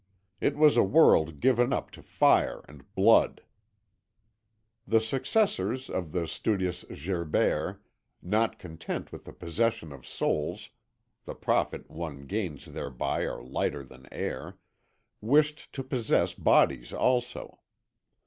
It was a world given up to fire and blood. The successors of the studious Gerbert, not content with the possession of souls (the profits one gains thereby are lighter than air), wished to possess bodies also.